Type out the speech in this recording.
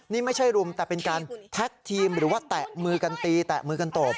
นี่ไม่ใช่รุมแต่เป็นการแท็กทีมหรือว่าแตะมือกันตีแตะมือกันตบ